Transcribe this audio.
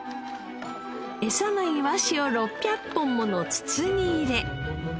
エサのイワシを６００本もの筒に入れ。